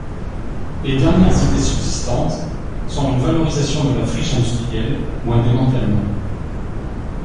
Les dernières idées subsistantes sont une valorisation de la friche industrielle, ou un démantèlement.